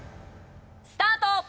スタート！